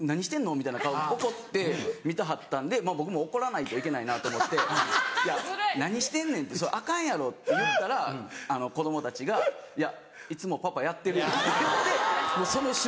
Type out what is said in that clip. みたいな顔で怒って見てはったんで僕も怒らないといけないなと思って「何してんねんアカンやろ」って言ったら子供たちが「いやいつもパパやってるやん」って言ってその瞬間